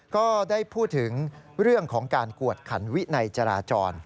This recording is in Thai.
ก็ได้พูดถึงเรื่องของการกวดขันวินัยจราจร